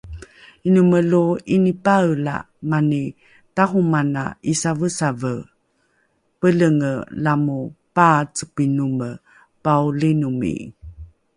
Inome lo 'inipaela mani tahomana 'isavesave, Pelenge lamo paacepinome paolinomi